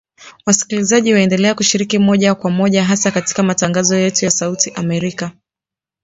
Wasikilizaji waendelea kushiriki moja kwa moja hasa katika matangazo yetu ya Sauti ya Amerika